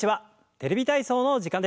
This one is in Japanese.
「テレビ体操」の時間です。